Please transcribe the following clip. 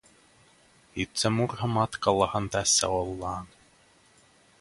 Itsemurhamatkallahan tässä ollaan.